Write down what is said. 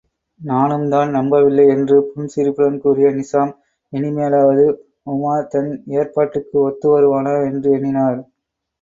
நானும்தான் நம்பவில்லை என்று புன்சிரிப்புடன் கூறிய நிசாம் இனிமேலாவது உமார் தன் ஏற்பாட்டுக்கு ஒத்து வருவானா என்று எண்ணினார்.